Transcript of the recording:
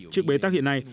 trước bế tắc hiện nay